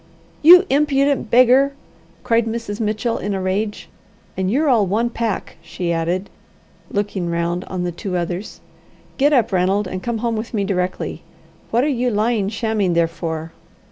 "You impudent beggar!" cried Mrs. Mitchell, in a rage. "And you're all one pack," she added, looking round on the two others. "Get up, Ranald, and come home with me directly. What are you lying shamming there for?"